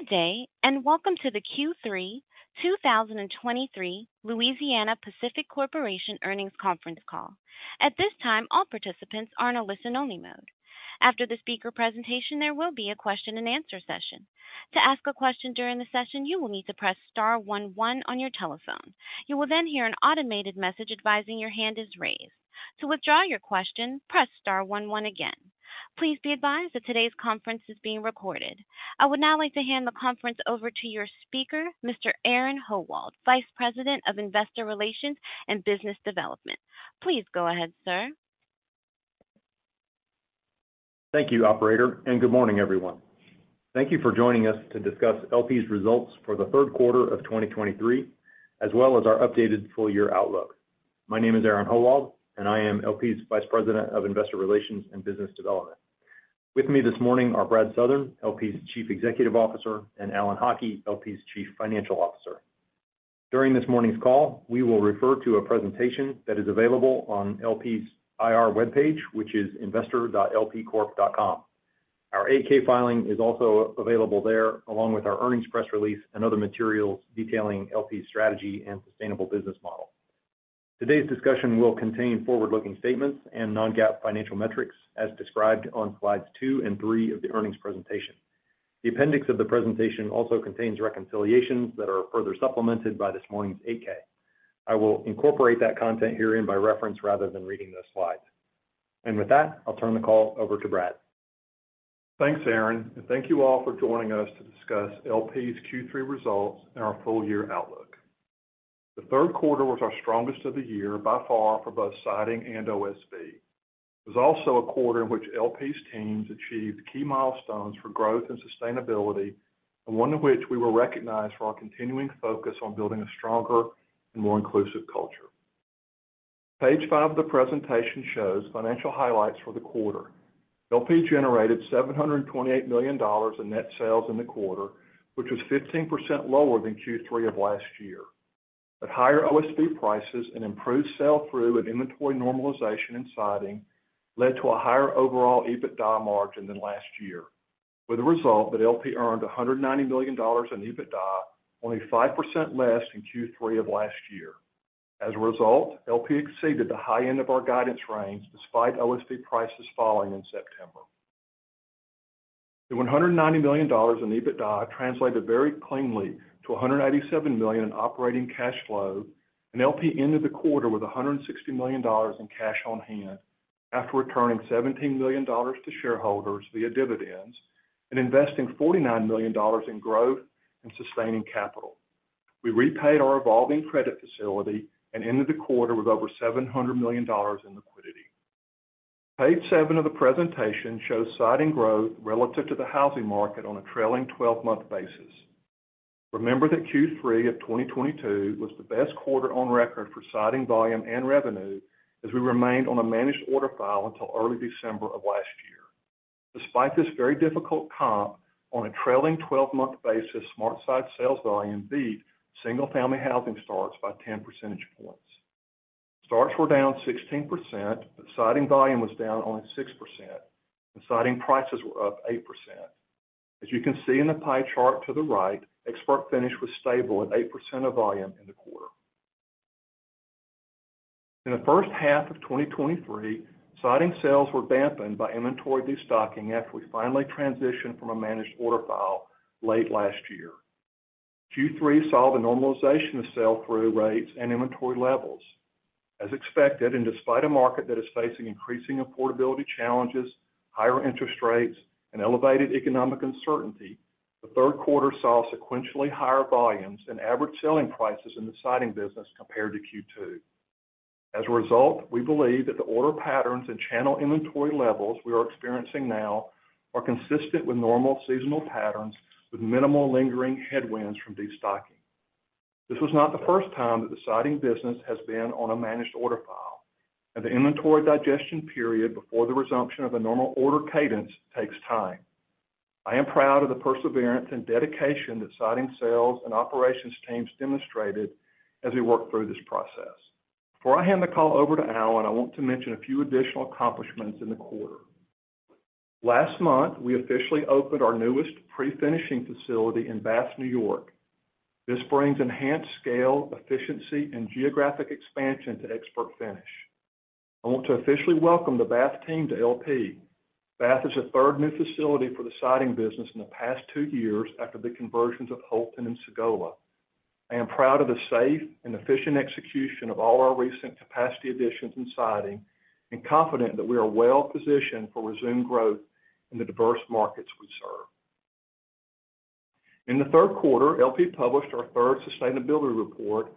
Good day, and welcome to the Q3 2023 Louisiana-Pacific Corporation Earnings Conference Call. At this time, all participants are in a listen-only mode. After the speaker presentation, there will be a question-and-answer session. To ask a question during the session, you will need to press star one one on your telephone. You will then hear an automated message advising your hand is raised. To withdraw your question, press star one one again. Please be advised that today's conference is being recorded. I would now like to hand the conference over to your speaker, Mr. Aaron Howald, Vice President of Investor Relations and Business Development. Please go ahead, sir. Thank you, operator, and good morning, everyone. Thank you for joining us to discuss LP's results for the third quarter of 2023, as well as our updated full-year outlook. My name is Aaron Howald, and I am LP's Vice President of Investor Relations and Business Development. With me this morning are Brad Southern, LP's Chief Executive Officer, and Alan Haughie, LP's Chief Financial Officer. During this morning's call, we will refer to a presentation that is available on LP's IR webpage, which is investor.lpcorp.com. Our 8-K filing is also available there, along with our earnings press release and other materials detailing LP's strategy and sustainable business model. Today's discussion will contain forward-looking statements and non-GAAP financial metrics, as described on slides two and three of the earnings presentation. The appendix of the presentation also contains reconciliations that are further supplemented by this morning's 8-K. I will incorporate that content herein by reference, rather than reading those slides. With that, I'll turn the call over to Brad. Thanks, Aaron, and thank you all for joining us to discuss LP's Q3 results and our full-year outlook. The third quarter was our strongest of the year by far for both Siding and OSB. It was also a quarter in which LP's teams achieved key milestones for growth and sustainability, and one in which we were recognized for our continuing focus on building a stronger and more inclusive culture. Page five of the presentation shows financial highlights for the quarter. LP generated $728 million in net sales in the quarter, which was 15% lower than Q3 of last year. But higher OSB prices and improved sell-through and inventory normalization in Siding led to a higher overall EBITDA margin than last year, with a result that LP earned $190 million in EBITDA, only 5% less in Q3 of last year. As a result, LP exceeded the high end of our guidance range, despite OSB prices falling in September. The $190 million in EBITDA translated very cleanly to $187 million in operating cash flow, and LP ended the quarter with $160 million in cash on hand, after returning $17 million to shareholders via dividends and investing $49 million in growth and sustaining capital. We repaid our revolving credit facility and ended the quarter with over $700 million in liquidity. Page seven of the presentation shows Siding growth relative to the housing market on a trailing twelve-month basis. Remember that Q3 of 2022 was the best quarter on record for Siding volume and revenue, as we remained on a managed order file until early December of last year. Despite this very difficult comp, on a trailing 12-month basis, SmartSide sales volume beat single-family housing starts by 10 percentage points. Starts were down 16%, but Siding volume was down only 6%, and Siding prices were up 8%. As you can see in the pie chart to the right, ExpertFinish was stable at 8% of volume in the quarter. In the first half of 2023, Siding sales were dampened by inventory destocking after we finally transitioned from a Managed Order File late last year. Q3 saw the normalization of sell-through rates and inventory levels. As expected, and despite a market that is facing increasing affordability challenges, higher interest rates, and elevated economic uncertainty, the third quarter saw sequentially higher volumes and average selling prices in the Siding business compared to Q2. As a result, we believe that the order patterns and channel inventory levels we are experiencing now are consistent with normal seasonal patterns, with minimal lingering headwinds from destocking. This was not the first time that the Siding business has been on a managed order file, and the inventory digestion period before the resumption of a normal order cadence takes time. I am proud of the perseverance and dedication that Siding sales and operations teams demonstrated as we worked through this process. Before I hand the call over to Alan, I want to mention a few additional accomplishments in the quarter. Last month, we officially opened our newest pre-finishing facility in Bath, New York. This brings enhanced scale, efficiency, and geographic expansion to ExpertFinish. I want to officially welcome the Bath team to LP. Bath is the third new facility for the Siding business in the past two years after the conversions of Holton and Sagola. I am proud of the safe and efficient execution of all our recent capacity additions in Siding and confident that we are well positioned for resumed growth in the diverse markets we serve. In the third quarter, LP published our third sustainability report,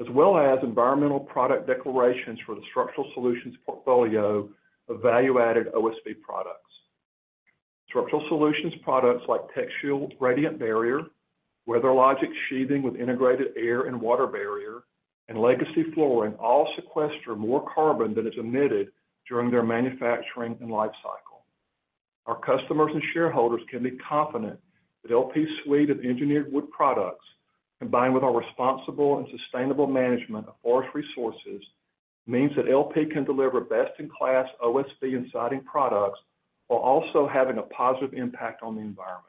as well as environmental product declarations for the Structural Solutions portfolio of value-added OSB products. Structural Solutions products like TechShield Radiant Barrier, WeatherLogic Sheathing with integrated air and water barrier, and Legacy Flooring all sequester more carbon than is emitted during their manufacturing and lifecycle. Our customers and shareholders can be confident that LP's suite of engineered wood products, combined with our responsible and sustainable management of forest resources-... means that LP can deliver best-in-class OSB and siding products, while also having a positive impact on the environment.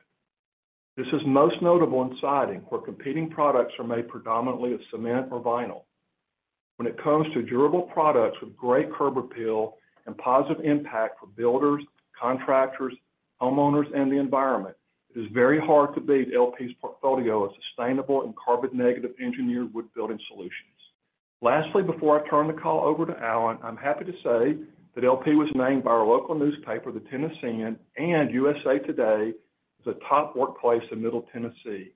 This is most notable in siding, where competing products are made predominantly of cement or vinyl. When it comes to durable products with great curb appeal and positive impact for builders, contractors, homeowners, and the environment, it is very hard to beat LP's portfolio of sustainable and carbon-negative engineered wood building solutions. Lastly, before I turn the call over to Alan, I'm happy to say that LP was named by our local newspaper, The Tennessean, and USA Today, the top workplace in Middle Tennessee,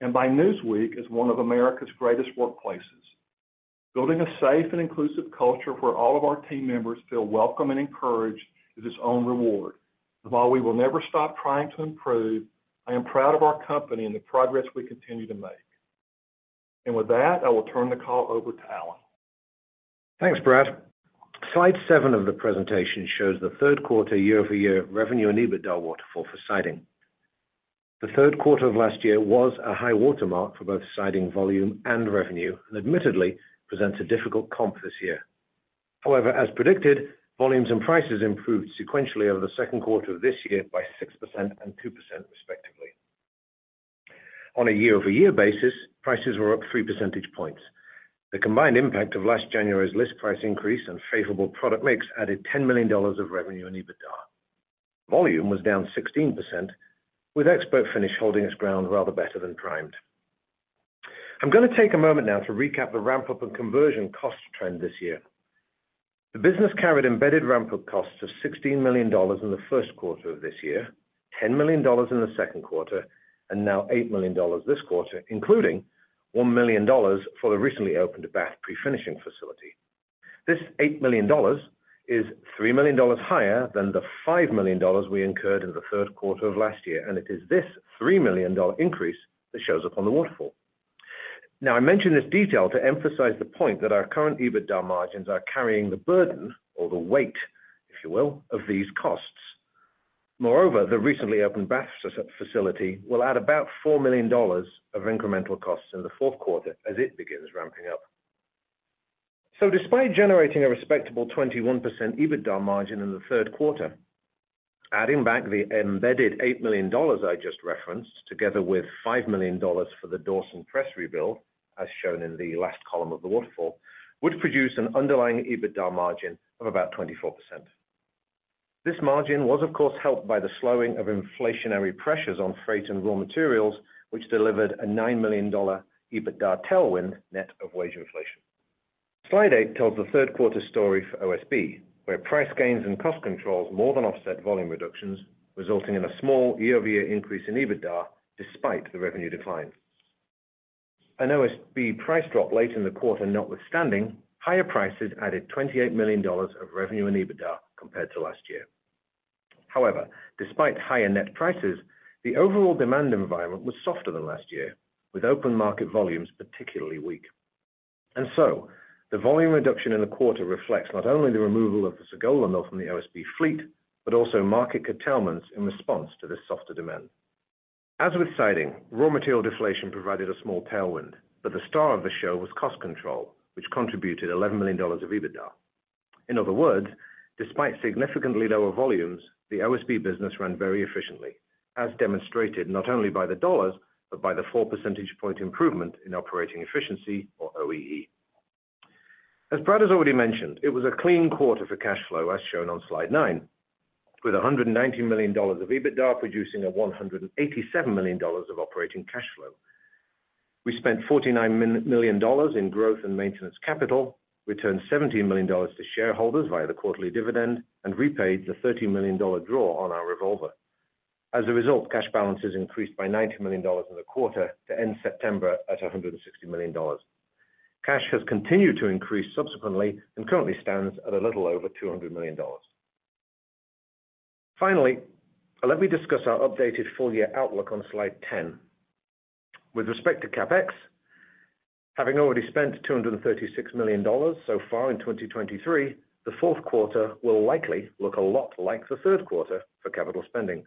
and by Newsweek, as one of America's greatest workplaces. Building a safe and inclusive culture where all of our team members feel welcome and encouraged, is its own reward. While we will never stop trying to improve, I am proud of our company and the progress we continue to make. With that, I will turn the call over to Alan. Thanks, Brad. Slide seven of the presentation shows the third quarter year-over-year revenue and EBITDA waterfall for siding. The third quarter of last year was a high-water mark for both siding volume and revenue, and admittedly, presents a difficult comp this year. However, as predicted, volumes and prices improved sequentially over the second quarter of this year by 6% and 2%, respectively. On a year-over-year basis, prices were up 3 percentage points. The combined impact of last January's list price increase and favorable product mix added $10 million of revenue and EBITDA. Volume was down 16%, with ExpertFinish holding its ground rather better than primed. I'm gonna take a moment now to recap the ramp-up and conversion cost trend this year. The business carried embedded ramp-up costs of $16 million in the first quarter of this year, $10 million in the second quarter, and now $8 million this quarter, including $1 million for the recently opened Bath Pre-Finishing facility. This $8 million is $3 million higher than the $5 million we incurred in the third quarter of last year, and it is this $3 million increase that shows up on the waterfall. Now, I mention this detail to emphasize the point that our current EBITDA margins are carrying the burden or the weight, if you will, of these costs. Moreover, the recently opened Bath facility will add about $4 million of incremental costs in the fourth quarter as it begins ramping up. So despite generating a respectable 21% EBITDA margin in the third quarter, adding back the embedded $8 million I just referenced, together with $5 million for the Dawson press rebuild, as shown in the last column of the waterfall, would produce an underlying EBITDA margin of about 24%. This margin was, of course, helped by the slowing of inflationary pressures on freight and raw materials, which delivered a $9 million EBITDA tailwind net of wage inflation. Slide eight tells the third quarter story for OSB, where price gains and cost controls more than offset volume reductions, resulting in a small year-over-year increase in EBITDA despite the revenue decline. An OSB price drop late in the quarter notwithstanding, higher prices added $28 million of revenue and EBITDA compared to last year. However, despite higher net prices, the overall demand environment was softer than last year, with open market volumes particularly weak. And so, the volume reduction in the quarter reflects not only the removal of the Sagola mill from the OSB fleet, but also market curtailments in response to this softer demand. As with siding, raw material deflation provided a small tailwind, but the star of the show was cost control, which contributed $11 million of EBITDA. In other words, despite significantly lower volumes, the OSB business ran very efficiently, as demonstrated not only by the dollars, but by the four percentage point improvement in operating efficiency or OEE. As Brad has already mentioned, it was a clean quarter for cash flow, as shown on slide nine, with $190 million of EBITDA, producing $187 million of operating cash flow. We spent $49 million in growth and maintenance capital, returned $17 million to shareholders via the quarterly dividend, and repaid the $30 million draw on our revolver. As a result, cash balances increased by $90 million in the quarter to end September at $160 million. Cash has continued to increase subsequently and currently stands at a little over $200 million. Finally, let me discuss our updated full-year outlook on slide 10. With respect to CapEx, having already spent $236 million so far in 2023, the fourth quarter will likely look a lot like the third quarter for capital spending.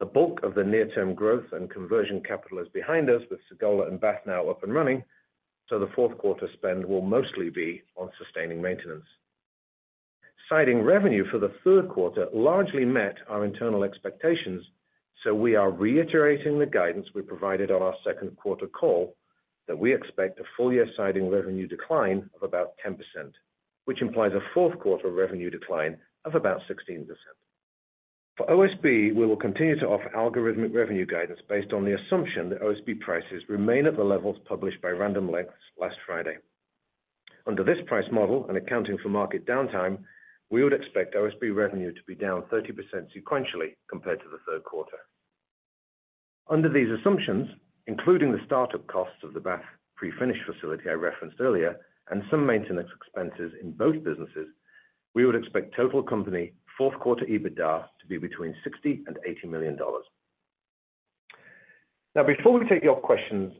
The bulk of the near-term growth and conversion capital is behind us, with Sagola and Bath now up and running, so the fourth quarter spend will mostly be on sustaining maintenance. Siding revenue for the third quarter largely met our internal expectations, so we are reiterating the guidance we provided on our second quarter call, that we expect a full-year siding revenue decline of about 10%, which implies a fourth quarter revenue decline of about 16%. For OSB, we will continue to offer algorithmic revenue guidance based on the assumption that OSB prices remain at the levels published by Random Lengths last Friday. Under this price model and accounting for market downtime, we would expect OSB revenue to be down 30% sequentially compared to the third quarter. Under these assumptions, including the start-up costs of the Bath pre-finishing facility I referenced earlier, and some maintenance expenses in both businesses, we would expect total company fourth quarter EBITDA to be between $60 million and $80 million. Now, before we take your questions,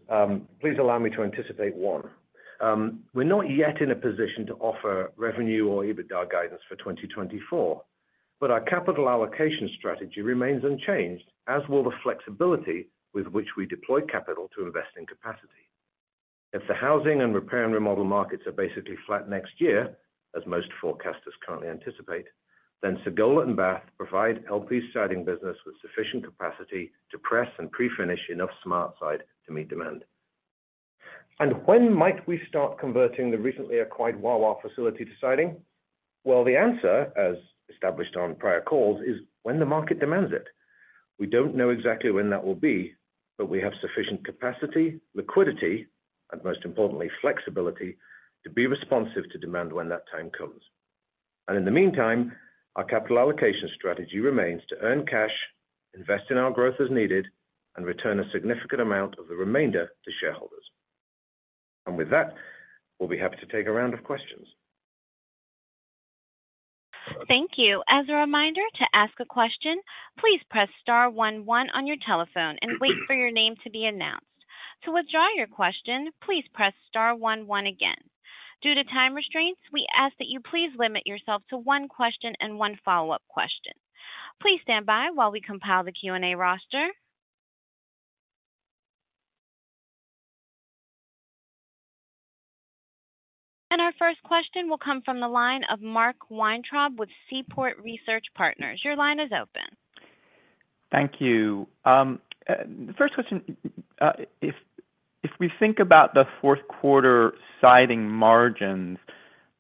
please allow me to anticipate one. We're not yet in a position to offer revenue or EBITDA guidance for 2024. But our capital allocation strategy remains unchanged, as will the flexibility with which we deploy capital to invest in capacity. If the housing and repair and remodel markets are basically flat next year, as most forecasters currently anticipate, then Sagola and Bath provide healthy siding business with sufficient capacity to press and pre-finish enough SmartSide to meet demand. And when might we start converting the recently acquired Wawa facility to siding? Well, the answer, as established on prior calls, is when the market demands it. We don't know exactly when that will be, but we have sufficient capacity, liquidity, and most importantly, flexibility, to be responsive to demand when that time comes. In the meantime, our capital allocation strategy remains to earn cash, invest in our growth as needed, and return a significant amount of the remainder to shareholders. And with that, we'll be happy to take a round of questions. Thank you. As a reminder, to ask a question, please press star one one on your telephone and wait for your name to be announced. To withdraw your question, please press star one one again. Due to time restraints, we ask that you please limit yourself to one question and one follow-up question. Please stand by while we compile the Q&A roster. Our first question will come from the line of Mark Weintraub with Seaport Research Partners. Your line is open. Thank you. The first question, if we think about the fourth quarter siding margins,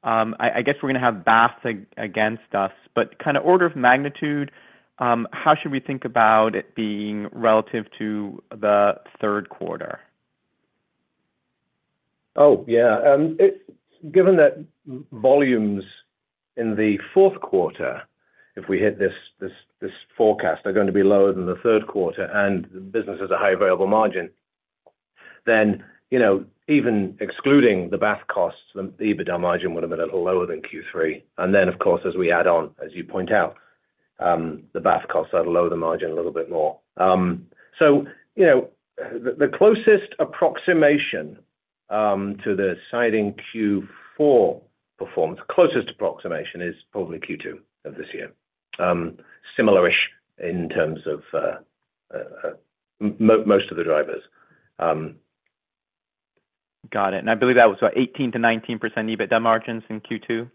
I guess we're going to have Bath against us, but kind of order of magnitude, how should we think about it being relative to the third quarter? Oh, yeah. Given that volumes in the fourth quarter, if we hit this forecast, are going to be lower than the third quarter, and the business has a high variable margin, then, you know, even excluding the Bath costs, the EBITDA margin would have been a little lower than Q3. And then, of course, as we add on, as you point out, the Bath costs that'll lower the margin a little bit more. So, you know, the closest approximation to the siding Q4 performance, closest approximation is probably Q2 of this year. Similar-ish in terms of most of the drivers. Got it. And I believe that was what? 18%-19% EBITDA margins in Q2?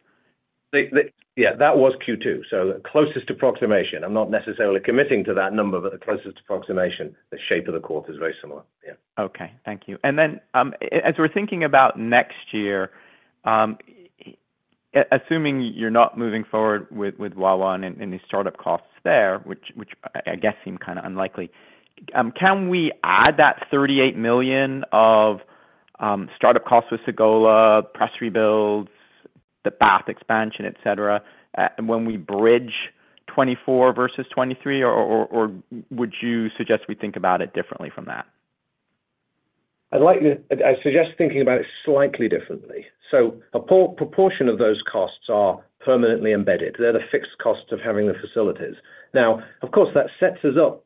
Yeah, that was Q2, so closest approximation. I'm not necessarily committing to that number, but the closest approximation, the shape of the quarter is very similar. Yeah. Okay, thank you. And then, as we're thinking about next year, assuming you're not moving forward with Wawa and the startup costs there, which I guess seem kind of unlikely, can we add that $38 million of startup costs with Sagola, press rebuilds, the Bath expansion, et cetera, when we bridge 2024 versus 2023, or would you suggest we think about it differently from that? I'd suggest thinking about it slightly differently. So a proportion of those costs are permanently embedded. They're the fixed costs of having the facilities. Now, of course, that sets us up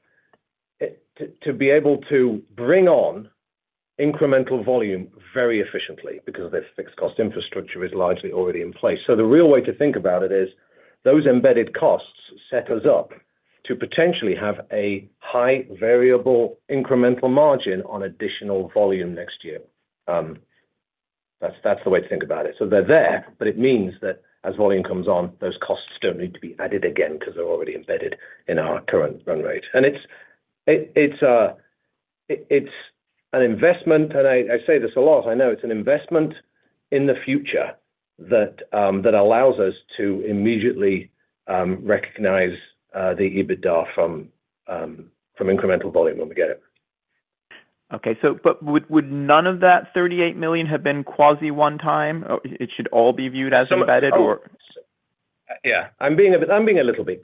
to be able to bring on incremental volume very efficiently because the fixed cost infrastructure is largely already in place. So the real way to think about it is, those embedded costs set us up to potentially have a high variable incremental margin on additional volume next year. That's the way to think about it. So they're there, but it means that as volume comes on, those costs don't need to be added again because they're already embedded in our current run rate. And it's an investment, and I say this a lot. I know it's an investment in the future that allows us to immediately recognize the EBITDA from incremental volume when we get it. Okay. So, but would none of that $38 million have been quasi one-time? It should all be viewed as embedded or? Yeah, I'm being a little bit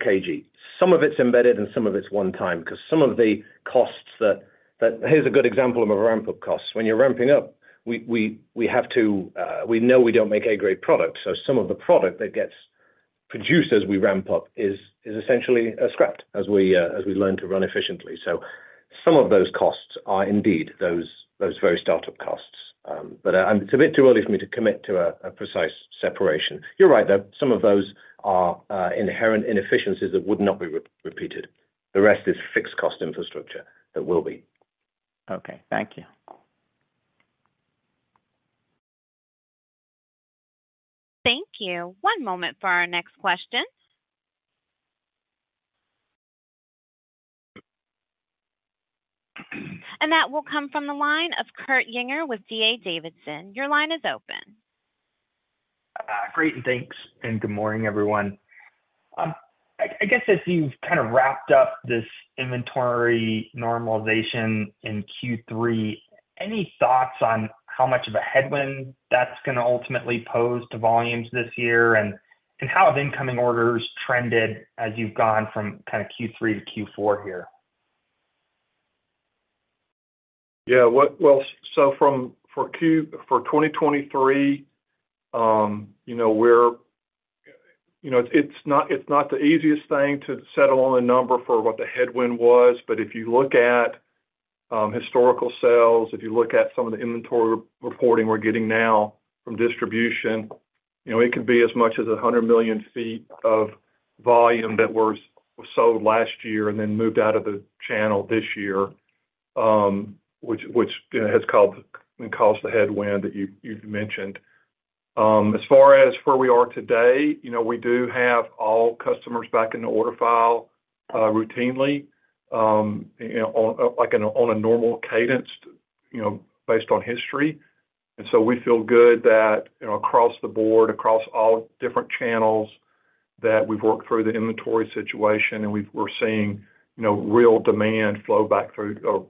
cagey. Some of it's embedded, and some of it's one time, because some of the costs that... Here's a good example of a ramp-up cost. When you're ramping up, we have to. We know we don't make A-grade products, so some of the product that gets produced as we ramp up is essentially scrapped as we learn to run efficiently. So some of those costs are indeed those very startup costs. But it's a bit too early for me to commit to a precise separation. You're right, though, some of those are inherent inefficiencies that would not be repeated. The rest is fixed cost infrastructure that will be. Okay, thank you. Thank you. One moment for our next question. That will come from the line of Kurt Yinger with D.A. Davidson. Your line is open. Great, and thanks, and good morning, everyone. I guess as you've kind of wrapped up this inventory normalization in Q3, any thoughts on how much of a headwind that's going to ultimately pose to volumes this year? And how have incoming orders trended as you've gone from kind of Q3 to Q4 here? Yeah, well, so for 2023, you know, we're, you know, it's not the easiest thing to settle on a number for what the headwind was, but if you look at historical sales, if you look at some of the inventory reporting we're getting now from distribution, you know, it could be as much as 100 million feet of volume that was sold last year and then moved out of the channel this year, which, you know, has caused the headwind that you've mentioned. As far as where we are today, you know, we do have all customers back in the order file routinely, you know, on, like, on a normal cadence, you know, based on history. And so we feel good that, you know, across the board, across all different channels, that we've worked through the inventory situation, and we're seeing, you know, real demand flow back through,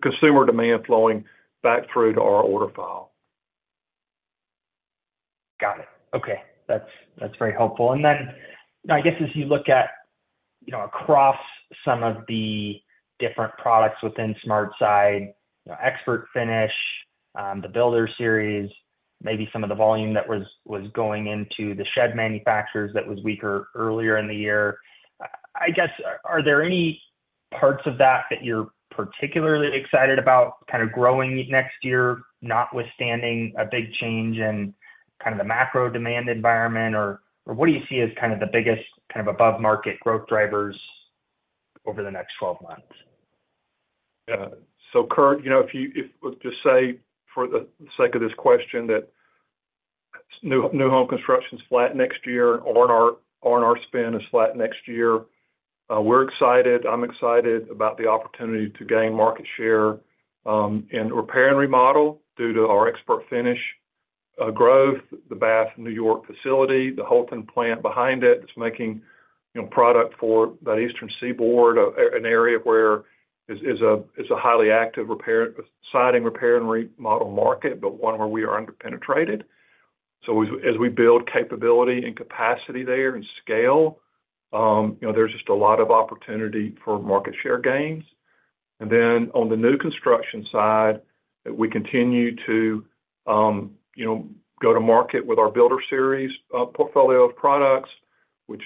consumer demand flowing back through to our order file. Got it. Okay. That's, that's very helpful. And then, I guess, as you look at, you know, across some of the different products within SmartSide, you know, ExpertFinish, the BuilderSeries, maybe some of the volume that was, was going into the shed manufacturers that was weaker earlier in the year, I, I guess, are there any parts of that that you're particularly excited about kind of growing next year, notwithstanding a big change in kind of the macro demand environment? Or, what do you see as kind of the biggest, kind of, above market growth drivers over the next twelve months? Yeah. So, Kurt, you know, if—if, just say, for the sake of this question, that new home construction's flat next year, R&R spend is flat next year. We're excited, I'm excited about the opportunity to gain market share in repair and remodel due to our ExpertFinish growth, the Bath, New York facility, the Holton plant behind it, that's making, you know, product for the Eastern Seaboard, an area where is a highly active siding repair and remodel market, but one where we are underpenetrated. So as we build capability and capacity there and scale, you know, there's just a lot of opportunity for market share gains. Then on the new construction side, we continue to, you know, go to market with our BuilderSeries portfolio of products, which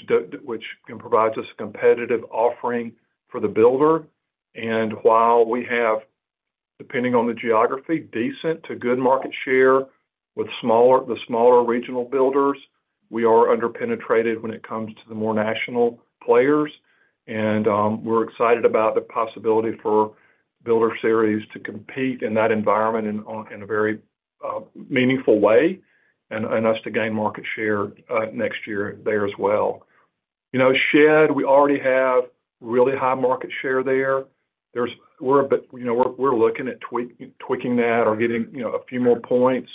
provides us a competitive offering for the builder. While we have, depending on the geography, decent to good market share with smaller regional builders, we are underpenetrated when it comes to the more national players. We're excited about the possibility for BuilderSeries to compete in that environment in a very meaningful way, and us to gain market share next year there as well. You know, shed, we already have really high market share there. We're a bit, you know, we're looking at tweaking that or getting, you know, a few more points.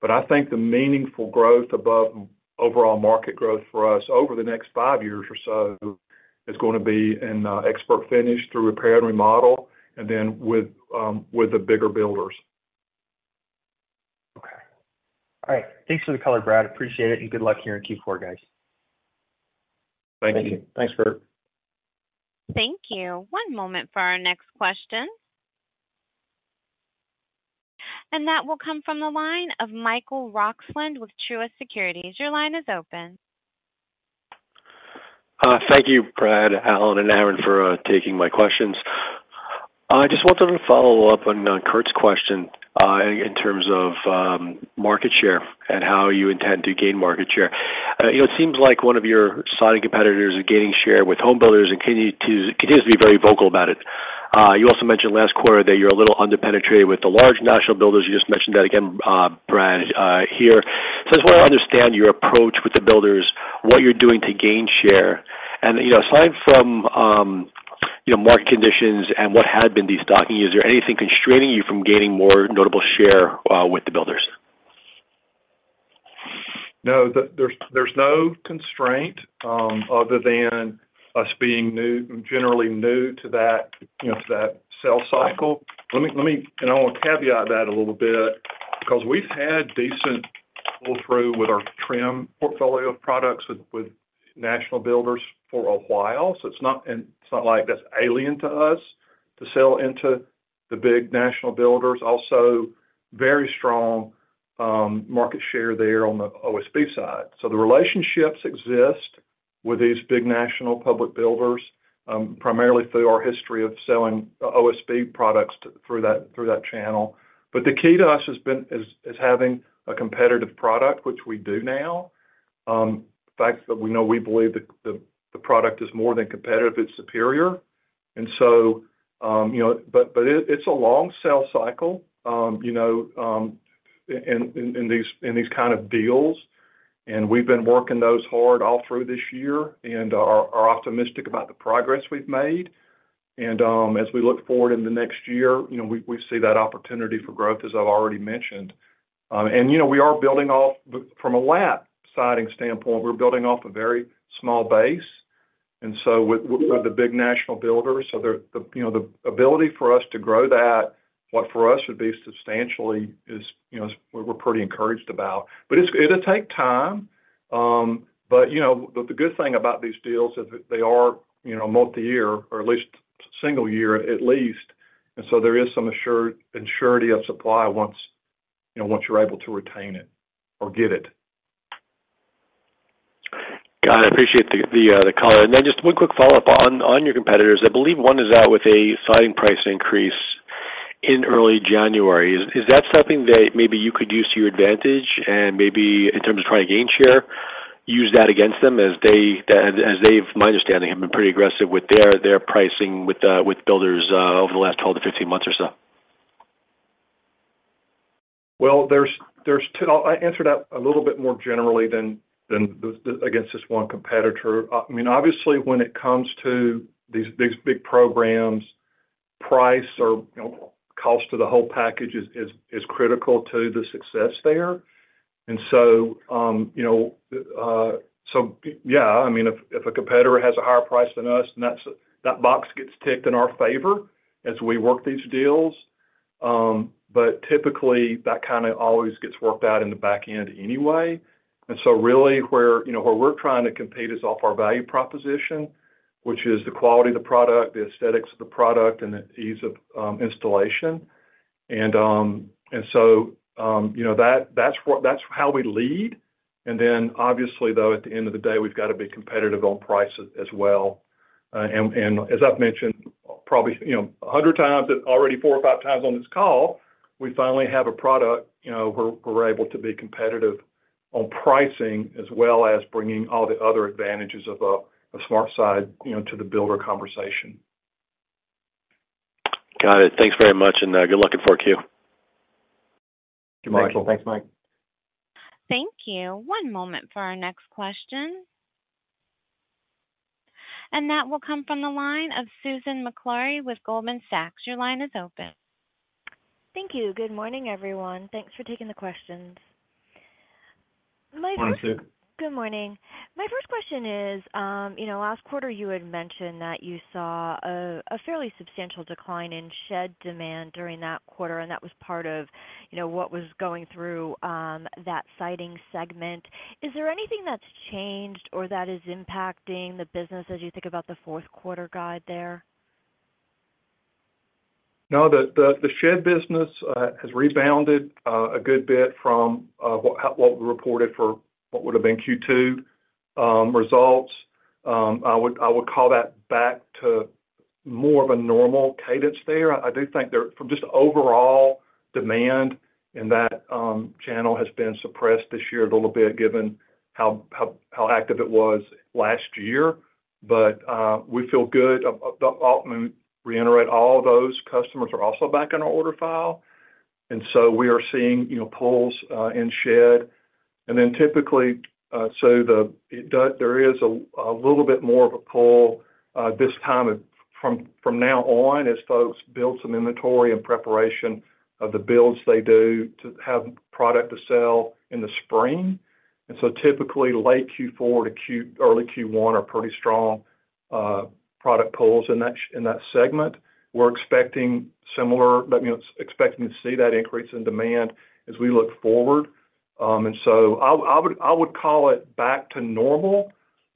But I think the meaningful growth above overall market growth for us over the next five years or so is gonna be in ExpertFinish through repair and remodel, and then with the bigger builders. Okay. All right. Thanks for the color, Brad. Appreciate it, and good luck here in Q4, guys. Thank you. Thanks, Kurt. Thank you. One moment for our next question. That will come from the line of Michael Roxland with Truist Securities. Your line is open. Thank you, Brad, Alan, and Aaron, for taking my questions. I just wanted to follow up on Kurt's question in terms of market share and how you intend to gain market share. You know, it seems like one of your siding competitors are gaining share with home builders and continues to be very vocal about it. You also mentioned last quarter that you're a little underpenetrated with the large national builders. You just mentioned that again, Brad, here. So I just wanna understand your approach with the builders, what you're doing to gain share. And, you know, aside from, you know, market conditions and what had been destocking, is there anything constraining you from gaining more notable share with the builders? No, there's no constraint other than us being new, generally new to that, you know, to that sales cycle. Let me, and I want to caveat that a little bit because we've had decent pull-through with our trim portfolio of products with national builders for a while, so it's not, and it's not like that's alien to us to sell into the big national builders. Also, very strong market share there on the OSB side. So the relationships exist with these big national public builders, primarily through our history of selling OSB products through that channel. But the key to us has been, is having a competitive product, which we do now. The fact that we know, we believe that the product is more than competitive, it's superior. And so, you know, but it's a long sales cycle, you know, in these kind of deals, and we've been working those hard all through this year and are optimistic about the progress we've made. And, as we look forward in the next year, you know, we see that opportunity for growth, as I've already mentioned. And, you know, we are building off... From a lap siding standpoint, we're building off a very small base, and so with the big national builders, so, you know, the ability for us to grow that, what for us would be substantially, is, you know, we're pretty encouraged about. But it's, it'll take time. But you know, the good thing about these deals is that they are, you know, multi-year, or at least single year, at least, and so there is some assured surety of supply once, you know, once you're able to retain it or get it.... Got it. I appreciate the color. And then just one quick follow-up on your competitors. I believe one is out with a siding price increase in early January. Is that something that maybe you could use to your advantage, and maybe in terms of trying to gain share, use that against them as they've, my understanding, have been pretty aggressive with their pricing with builders over the last 12-15 months or so? Well, there's two—I'll answer that a little bit more generally than against this one competitor. I mean, obviously, when it comes to these big programs, price or, you know, cost to the whole package is critical to the success there. And so, you know, so yeah, I mean, if a competitor has a higher price than us, then that box gets ticked in our favor as we work these deals. But typically, that kind of always gets worked out in the back end anyway. And so really, you know, where we're trying to compete is off our value proposition, which is the quality of the product, the aesthetics of the product, and the ease of installation. And so, you know, that's what—that's how we lead. And then obviously, though, at the end of the day, we've got to be competitive on price as well. And as I've mentioned, probably, you know, 100 times, already 4 or 5 times on this call, we finally have a product, you know, we're able to be competitive on pricing as well as bringing all the other advantages of a SmartSide, you know, to the builder conversation. Got it. Thanks very much, and good luck in fourth Q. Good morning. Thanks, Mike. Thank you. One moment for our next question. That will come from the line of Susan Maklari with Goldman Sachs. Your line is open. Thank you. Good morning, everyone. Thanks for taking the questions. Morning, Sue. Good morning. My first question is, you know, last quarter, you had mentioned that you saw a fairly substantial decline in shed demand during that quarter, and that was part of, you know, what was going through, that siding segment. Is there anything that's changed or that is impacting the business as you think about the fourth quarter guide there? No, the shed business has rebounded a good bit from what we reported for what would have been Q2 results. I would call that back to more of a normal cadence there. I do think there, from just overall demand in that channel has been suppressed this year a little bit, given how active it was last year. But, we feel good. I'll reiterate, all those customers are also back in our order file, and so we are seeing, you know, pulls in shed. And then typically, it does, there is a little bit more of a pull this time of, from now on, as folks build some inventory in preparation of the builds they do to have product to sell in the spring. So typically, late Q4 to early Q1 are pretty strong product pulls in that segment. We're expecting similar, expecting to see that increase in demand as we look forward. So I would call it back to normal,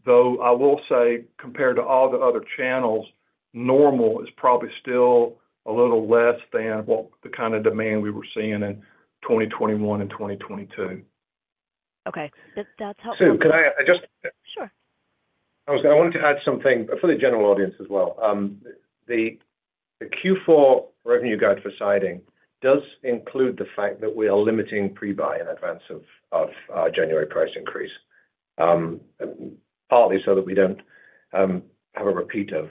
though I will say, compared to all the other channels, normal is probably still a little less than what the kind of demand we were seeing in 2021 and 2022. Okay, that's helpful. Sue, could I just- Sure. I was, I wanted to add something for the general audience as well. The Q4 revenue guide for siding does include the fact that we are limiting pre-buy in advance of our January price increase, partly so that we don't have a repeat of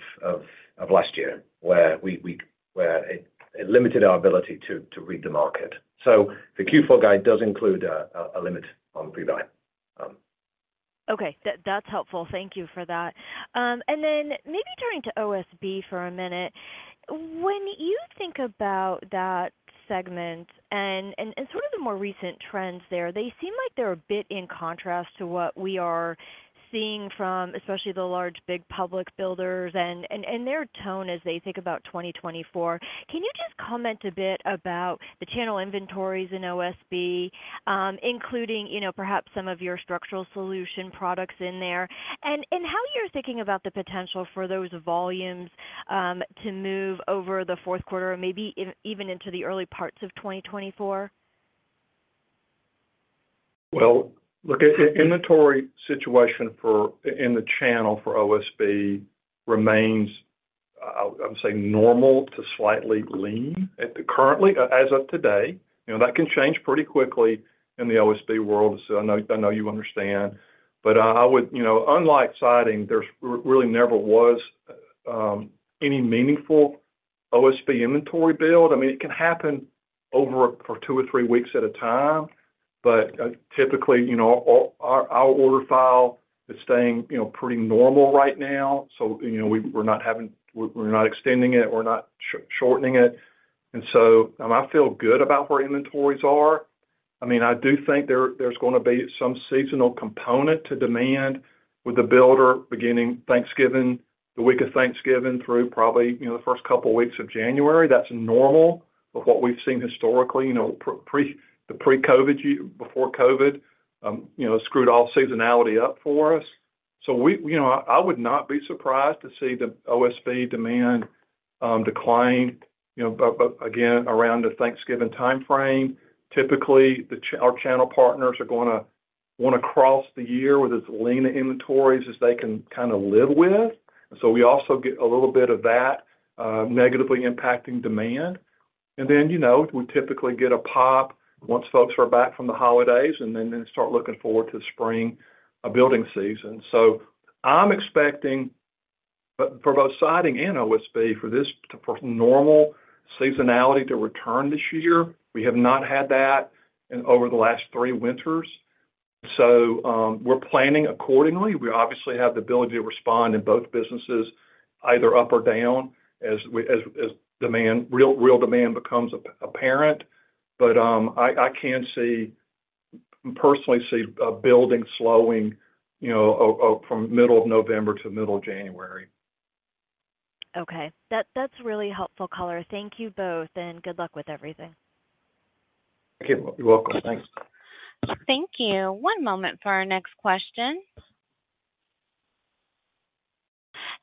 last year, where it limited our ability to read the market. So the Q4 guide does include a limit on pre-buy. Okay. That, that's helpful. Thank you for that. And then maybe turning to OSB for a minute. When you think about that segment and sort of the more recent trends there, they seem like they're a bit in contrast to what we are seeing from especially the large, big public builders and their tone as they think about 2024. Can you just comment a bit about the channel inventories in OSB, including, you know, perhaps some of your Structural Solutions products in there? And how you're thinking about the potential for those volumes to move over the fourth quarter or maybe even into the early parts of 2024? Well, look, inventory situation for, in the channel for OSB remains, I would say, normal to slightly lean. Currently, as of today, you know, that can change pretty quickly in the OSB world. So I know, I know you understand. But, I would, you know, unlike siding, there's really never was any meaningful OSB inventory build. I mean, it can happen over for two or three weeks at a time, but, typically, you know, our order file is staying, you know, pretty normal right now. So, you know, we're not extending it, we're not shortening it. And so, I feel good about where inventories are. I mean, I do think there, there's gonna be some seasonal component to demand with the builder beginning Thanksgiving, the week of Thanksgiving through probably, you know, the first couple of weeks of January. That's normal of what we've seen historically, you know, the pre-COVID year, before COVID, you know, screwed all seasonality up for us. So we, you know, I would not be surprised to see the OSB demand declined, you know, but, but again, around the Thanksgiving timeframe, typically, our channel partners are gonna want to cross the year with as lean inventories as they can kind of live with. So we also get a little bit of that, negatively impacting demand. And then, you know, we typically get a pop once folks are back from the holidays and then start looking forward to the spring, building season. So I'm expecting for both siding and OSB for normal seasonality to return this year. We have not had that in over the last three winters, so we're planning accordingly. We obviously have the ability to respond in both businesses, either up or down, as demand, real demand becomes apparent. But I can see, personally see a building slowing, you know, from middle of November to middle of January. Okay. That, that's really helpful color. Thank you both, and good luck with everything. Okay. You're welcome. Thanks. Thank you. One moment for our next question.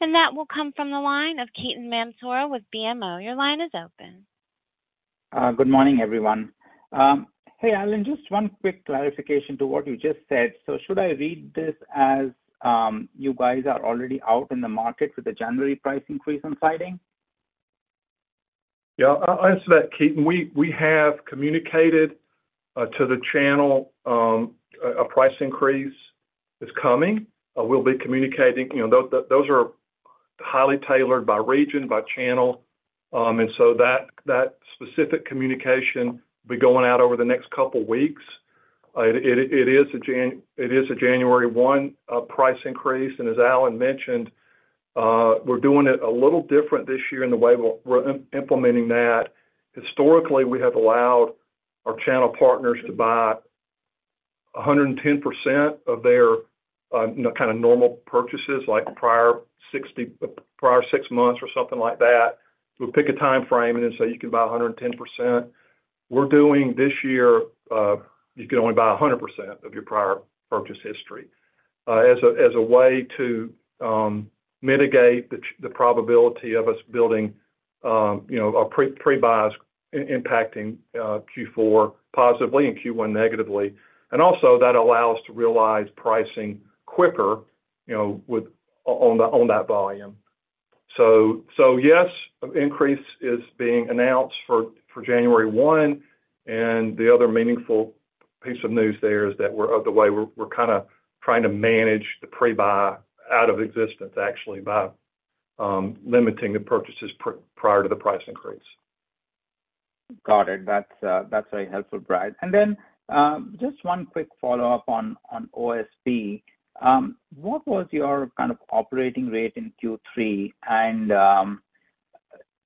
That will come from the line of Ketan Mamtora with BMO. Your line is open. Good morning, everyone. Hey, Alan, just one quick clarification to what you just said. So should I read this as, you guys are already out in the market with a January price increase on siding? Yeah, I'll, I'll answer that, Ketan. We, we have communicated to the channel a price increase is coming. We'll be communicating... You know, those, those are highly tailored by region, by channel, and so that, that specific communication will be going out over the next couple of weeks. It, it is a January 1 price increase, and as Alan mentioned, we're doing it a little different this year in the way we're, we're implementing that. Historically, we have allowed our channel partners to buy 110% of their, you know, kind of normal purchases, like prior six months or something like that. We'll pick a timeframe and then say, "You can buy 110%." We're doing this year you can only buy 100% of your prior purchase history as a way to mitigate the probability of us building you know our pre-buys impacting Q4 positively and Q1 negatively. And also that allow us to realize pricing quicker you know with on that volume. So yes an increase is being announced for January 1 and the other meaningful piece of news there is that we're of the way we're kind of trying to manage the pre-buy out of existence actually by limiting the purchases prior to the price increase. Got it. That's, that's very helpful, Brad. And then, just one quick follow-up on OSB. What was your kind of operating rate in Q3? And,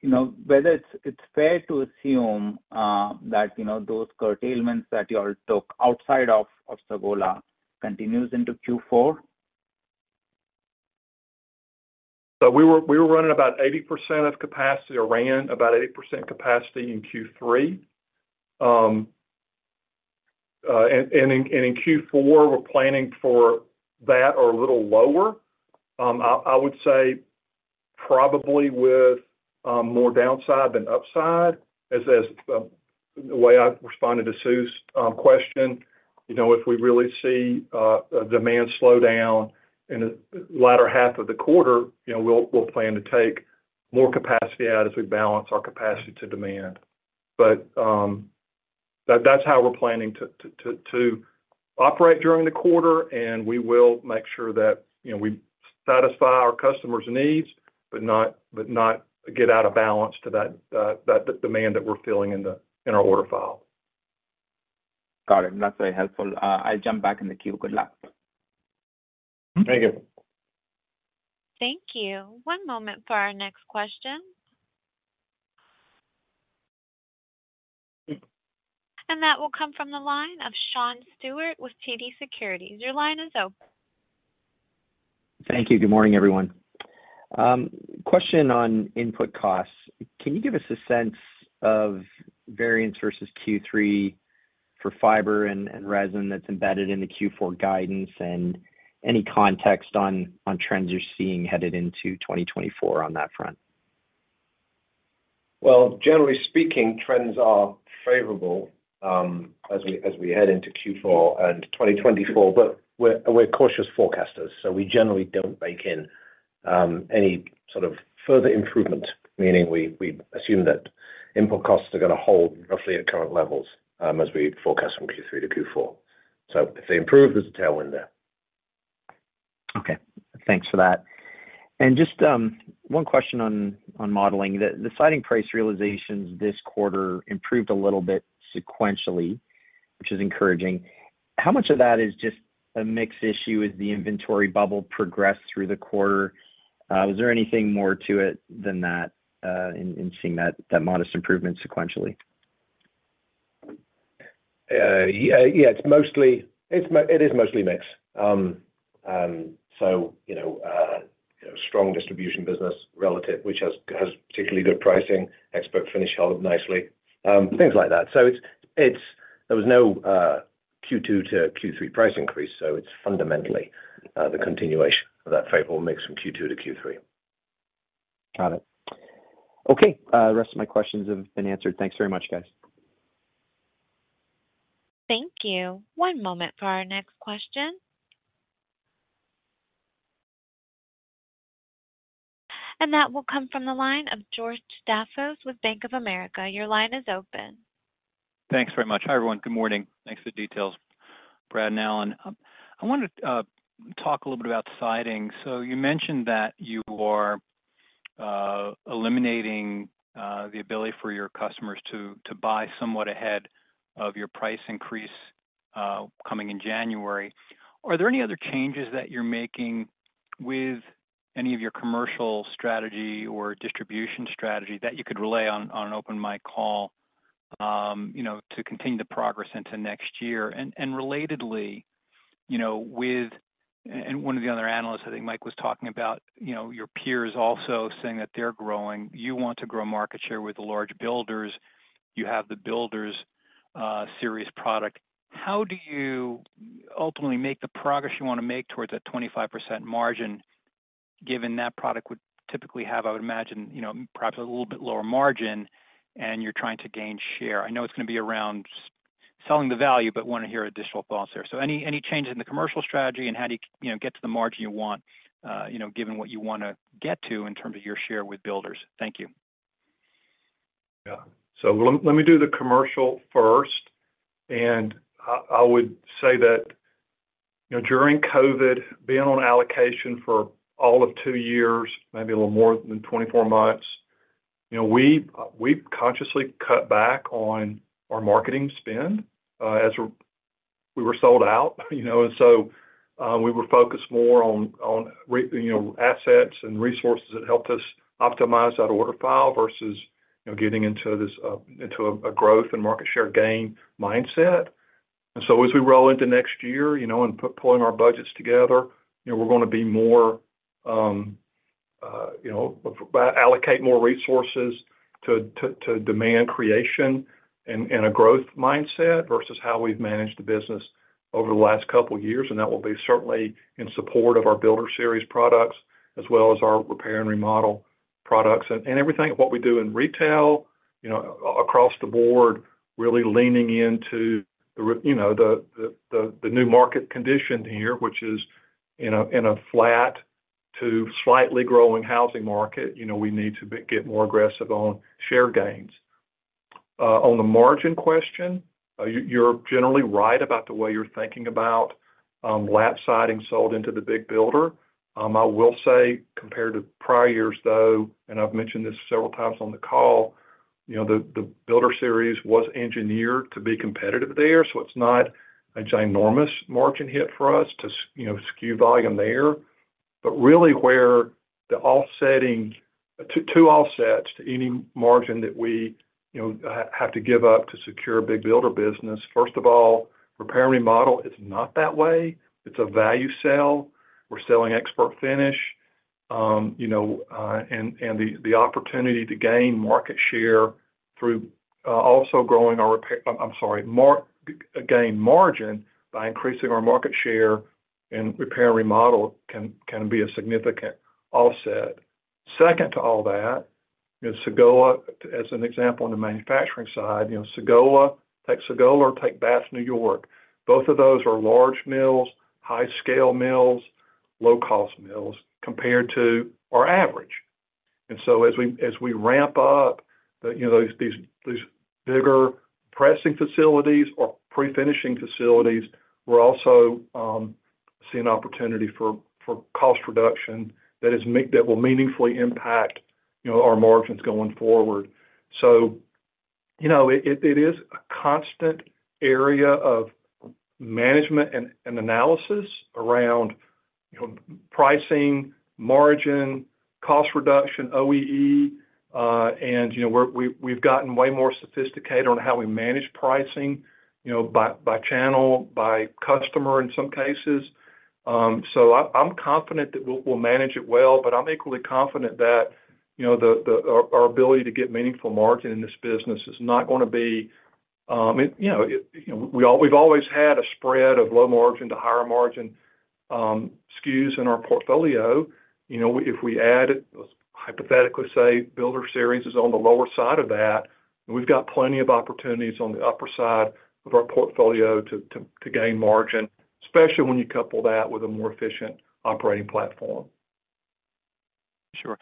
you know, whether it's, it's fair to assume, that, you know, those curtailments that you all took outside of Sagola continues into Q4? We were running about 80% of capacity, or ran about 80% capacity in Q3. In Q4, we're planning for that or a little lower. I would say probably with more downside than upside, as the way I responded to Sue's question. You know, if we really see a demand slow down in the latter half of the quarter, you know, we'll plan to take more capacity out as we balance our capacity to demand. But that's how we're planning to operate during the quarter, and we will make sure that, you know, we satisfy our customers' needs, but not get out of balance to that, the demand that we're filling in our order file. Got it. That's very helpful. I'll jump back in the queue. Good luck. Thank you. Thank you. One moment for our next question. And that will come from the line of Sean Steuart with TD Securities. Your line is open. Thank you. Good morning, everyone. Question on input costs. Can you give us a sense of variance versus Q3 for fiber and resin that's embedded in the Q4 guidance? And any context on trends you're seeing headed into 2024 on that front? Well, generally speaking, trends are favorable, as we head into Q4 and 2024, but we're cautious forecasters, so we generally don't bake in any sort of further improvement, meaning we assume that input costs are going to hold roughly at current levels, as we forecast from Q3 to Q4. So if they improve, there's a tailwind there. Okay. Thanks for that. And just, one question on modeling. The siding price realizations this quarter improved a little bit sequentially, which is encouraging. How much of that is just a mix issue as the inventory bubble progressed through the quarter? Was there anything more to it than that, in seeing that modest improvement sequentially? Yeah, yeah, it's mostly— It is mostly mix. So, you know, strong distribution business relative, which has particularly good pricing. ExpertFinish held up nicely, things like that. So it's, it's— There was no.... Q2 to Q3 price increase, so it's fundamentally, the continuation of that favorable mix from Q2 to Q3. Got it. Okay, the rest of my questions have been answered. Thanks very much, guys. Thank you. One moment for our next question. That will come from the line of George Staphos with Bank of America. Your line is open. Thanks very much. Hi, everyone. Good morning. Thanks for the details, Brad and Alan. I wanted to talk a little bit about siding. So you mentioned that you are eliminating the ability for your customers to buy somewhat ahead of your price increase coming in January. Are there any other changes that you're making with any of your commercial strategy or distribution strategy that you could relay on an open mic call, you know, to continue the progress into next year? And relatedly, you know, with one of the other analysts, I think Mike, was talking about, you know, your peers also saying that they're growing. You want to grow market share with the large builders. You have the BuilderSeries product. How do you ultimately make the progress you wanna make towards that 25% margin, given that product would typically have, I would imagine, you know, perhaps a little bit lower margin, and you're trying to gain share? I know it's gonna be around selling the value, but wanna hear additional thoughts there. So any, any changes in the commercial strategy, and how do you, you know, get to the margin you want, given what you wanna get to in terms of your share with builders? Thank you. Yeah. So let me do the commercial first, and I would say that, you know, during COVID, being on allocation for all of 2 years, maybe a little more than 24 months, you know, we've consciously cut back on our marketing spend, as we were sold out, you know. And so, we were focused more on reallocating, you know, assets and resources that helped us optimize that order file versus, you know, getting into a growth and market share gain mindset. And so as we roll into next year, you know, and pulling our budgets together, you know, we're gonna allocate more resources to demand creation and a growth mindset versus how we've managed the business over the last couple of years. And that will be certainly in support of our BuilderSeries products, as well as our repair and remodel products. And everything what we do in retail, you know, across the board, really leaning into you know, the new market condition here, which is in a flat to slightly growing housing market. You know, we need to get more aggressive on share gains. On the margin question, you're generally right about the way you're thinking about lap siding sold into the big builder. I will say, compared to prior years, though, and I've mentioned this several times on the call, you know, the BuilderSeries was engineered to be competitive there, so it's not a ginormous margin hit for us to you know, skew volume there. But really, where the offsetting... Two offsets to any margin that we, you know, have to give up to secure a big builder business. First of all, repair and remodel is not that way. It's a value sell. We're selling ExpertFinish, you know, and the opportunity to gain market share through gain margin by increasing our market share and repair and remodel can be a significant offset. Second to all that, you know, Sagola, as an example, on the manufacturing side, you know, Sagola. Take Sagola or take Bath, New York. Both of those are large mills, high scale mills, low cost mills, compared to our average. And so as we ramp up the, you know, these bigger pressing facilities or pre-finishing facilities, we're also seeing opportunity for cost reduction that will meaningfully impact, you know, our margins going forward. So, you know, it is a constant area of management and analysis around, you know, pricing, margin, cost reduction, OEE, and, you know, we've gotten way more sophisticated on how we manage pricing, you know, by channel, by customer, in some cases. So I'm confident that we'll manage it well, but I'm equally confident that, you know, our ability to get meaningful margin in this business is not gonna be, you know, it, you know, we've always had a spread of low margin to higher margin, SKUs in our portfolio. You know, if we add, hypothetically, say, BuilderSeries is on the lower side of that, we've got plenty of opportunities on the upper side of our portfolio to gain margin, especially when you couple that with a more efficient operating platform. Sure.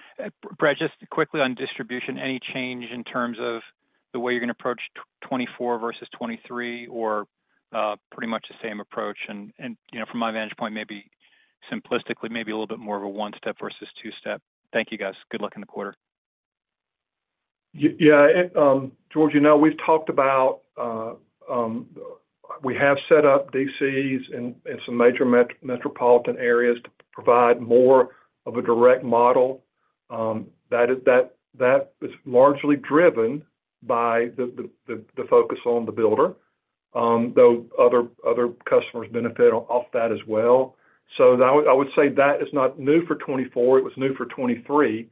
Brad, just quickly on distribution, any change in terms of the way you're gonna approach 2024 versus 2023, or pretty much the same approach? And you know, from my vantage point, maybe simplistically, maybe a little bit more of a one-step versus two-step. Thank you, guys. Good luck in the quarter. Yeah, George, you know, we've talked about, we have set up DCs in some major metropolitan areas to provide more of a direct model. That is largely driven by the focus on the builder, though other customers benefit off that as well. So that, I would say that is not new for 2024. It was new for 2023.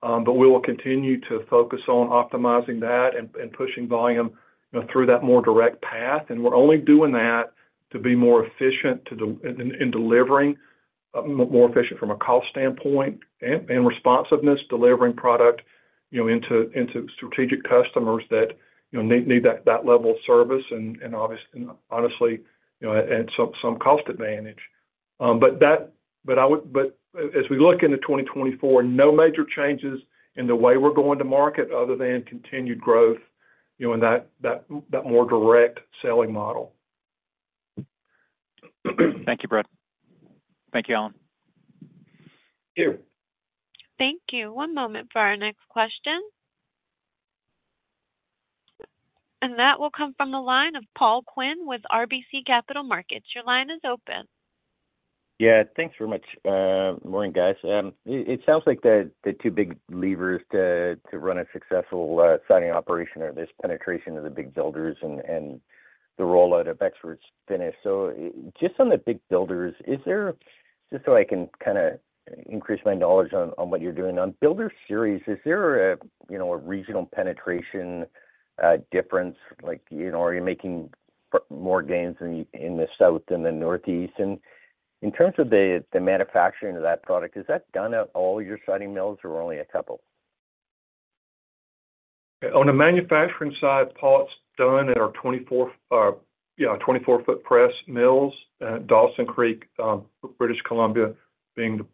But we will continue to focus on optimizing that and pushing volume, you know, through that more direct path. And we're only doing that to be more efficient in delivering, more efficient from a cost standpoint and responsiveness, delivering product, you know, into strategic customers that, you know, need that level of service, and obviously, honestly, you know, at some cost advantage. But as we look into 2024, no major changes in the way we're going to market other than continued growth, you know, in that more direct selling model. Thank you, Brad. Thank you, Alan. Thank you. Thank you. One moment for our next question. That will come from the line of Paul Quinn with RBC Capital Markets. Your line is open. Yeah, thanks very much. Good morning, guys. It sounds like the two big levers to run a successful siding operation are this penetration of the big builders and the rollout of ExpertFinish. So just on the big builders, is there... Just so I can kind of increase my knowledge on what you're doing. On BuilderSeries, is there a, you know, a regional penetration difference? Like, you know, are you making more gains in the south than the northeast? And in terms of the manufacturing of that product, is that done at all your siding mills or only a couple? On the manufacturing side, Paul, it's done at our 24 foot press mills at Dawson Creek, British Columbia, being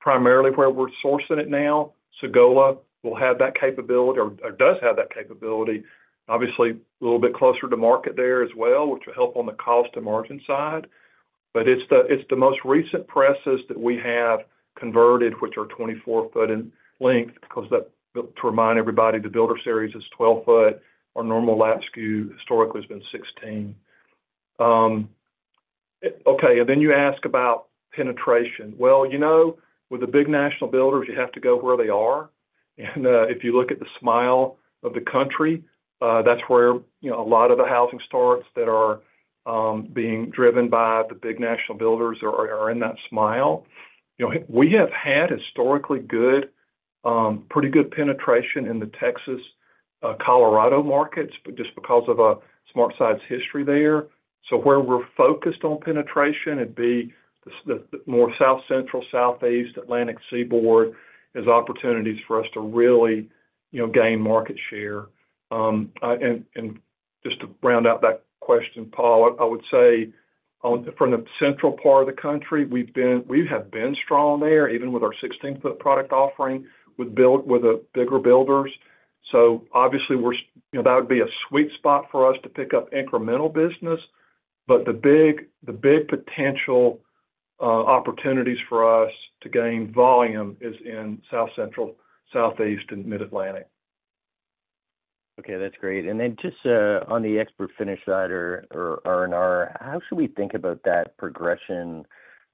primarily where we're sourcing it now. Sagola will have that capability or does have that capability. Obviously, a little bit closer to market there as well, which will help on the cost and margin side. But it's the most recent presses that we have converted, which are 24 foot in length, 'cause that, to remind everybody, the BuilderSeries is 12 foot. Our normal lap SKU historically has been 16. Okay, and then you ask about penetration. Well, you know, with the big national builders, you have to go where they are. And if you look at the smile of the country, that's where, you know, a lot of the housing starts that are being driven by the big national builders are in that smile. You know, we have had historically good, pretty good penetration in the Texas, Colorado markets, but just because of our SmartSide history there. So where we're focused on penetration, it'd be the more South Central, Southeast, Atlantic, Seaboard, as opportunities for us to really, you know, gain market share. And just to round out that question, Paul, I would say on from the central part of the country, we've been strong there, even with our 16-foot product offering, with the bigger builders. So obviously, we're, you know, that would be a sweet spot for us to pick up incremental business. But the big, the big potential, opportunities for us to gain volume is in South Central, Southeast, and Mid-Atlantic. Okay, that's great. And then just, on the ExpertFinish side or R&R, how should we think about that progression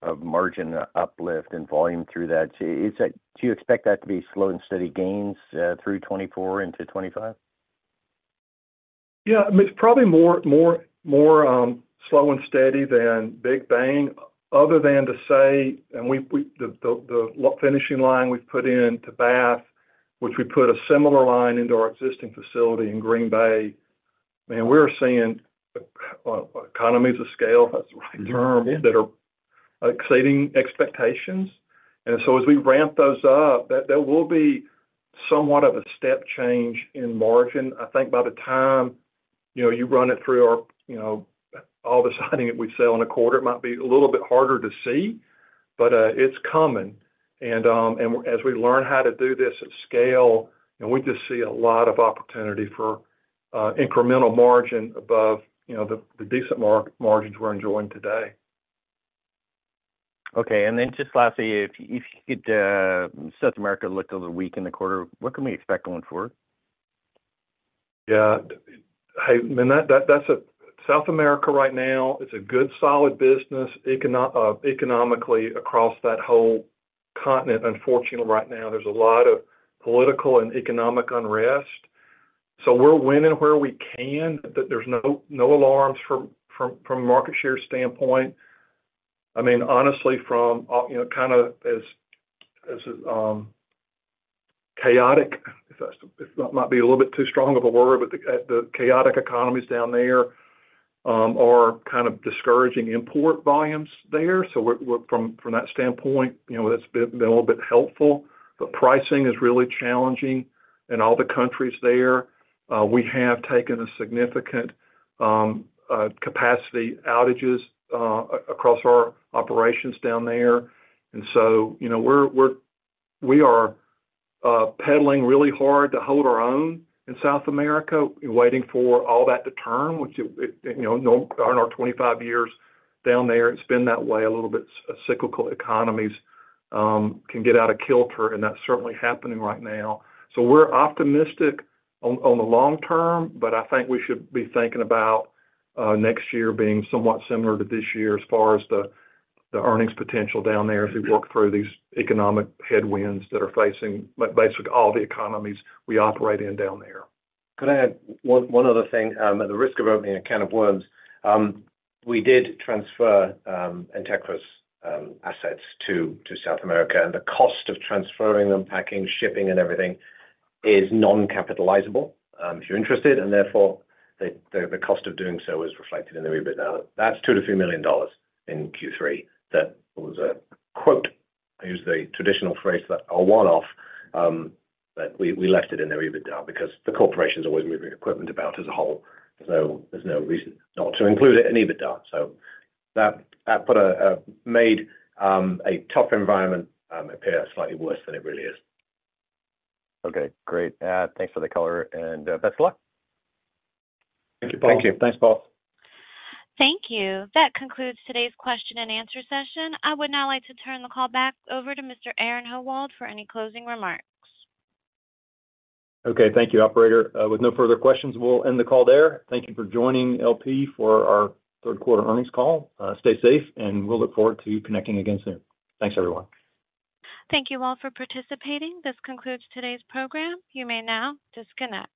of margin uplift and volume through that? Is that, do you expect that to be slow and steady gains, through 2024 into 2025? Yeah, it's probably more slow and steady than big bang. Other than to say, and we've the finishing line we've put in to Bath, which we put a similar line into our existing facility in Green Bay, and we're seeing economies of scale, that's the right term, that are exceeding expectations. And so as we ramp those up, that there will be somewhat of a step change in margin. I think by the time, you know, you run it through our, you know, all the siding that we sell in a quarter, it might be a little bit harder to see, but it's coming. And as we learn how to do this at scale, and we just see a lot of opportunity for incremental margin above, you know, the decent margins we're enjoying today. Okay. And then just lastly, if you get South America looked a little weak in the quarter, what can we expect going forward? Yeah, I mean, that's a South America right now is a good solid business. Economically, across that whole continent, unfortunately, right now, there's a lot of political and economic unrest, so we're winning where we can. But there's no alarms from a market share standpoint. I mean, honestly, from a, you know, kind of as chaotic, if that's it might be a little bit too strong of a word, but the chaotic economies down there are kind of discouraging import volumes there. So we're from that standpoint, you know, that's been a little bit helpful. But pricing is really challenging in all the countries there. We have taken a significant capacity outages across our operations down there. So, you know, we are pedaling really hard to hold our own in South America, waiting for all that to turn, which, you know, in our 25 years down there, it's been that way, a little bit cyclical economies can get out of kilter, and that's certainly happening right now. So we're optimistic on the long term, but I think we should be thinking about next year being somewhat similar to this year as far as the earnings potential down there. Yeah. as we work through these economic headwinds that are facing basically all the economies we operate in down there. Could I add one, one other thing? At the risk of opening a can of worms, we did transfer Entekra assets to South America, and the cost of transferring them, packing, shipping and everything is non-capitalizable, if you're interested, and therefore, the cost of doing so is reflected in the EBITDA. That's $2 million-$3 million in Q3. That was a quote, I use the traditional phrase, that a one-off, but we left it in their EBITDA because the corporation is always moving equipment about as a whole, so there's no reason not to include it in EBITDA. So that put a made a tough environment appear slightly worse than it really is. Okay, great. Thanks for the color, and best of luck. Thank you, Paul. Thank you. Thanks, Paul. Thank you. That concludes today's question and answer session. I would now like to turn the call back over to Mr. Aaron Howald for any closing remarks. Okay, thank you, operator. With no further questions, we'll end the call there. Thank you for joining LP for our third quarter earnings call. Stay safe, and we'll look forward to connecting again soon. Thanks, everyone. Thank you all for participating. This concludes today's program. You may now disconnect.